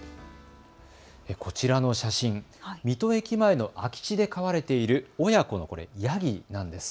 こちらの写真、水戸駅前の空き地で飼われている親子のヤギなんです。